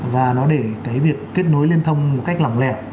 và nó để cái việc kết nối liên thông một cách lỏng lẻ